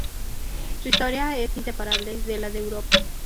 Su historia es inseparable de la de Europa.